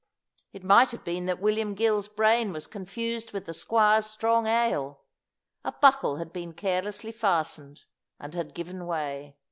It might have been that William Gill's brain was confused with the squire's strong ale. A buckle had been carelessly fastened, and had given way.